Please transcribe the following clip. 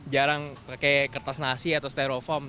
jarang pakai kertas nasi atau stereofoam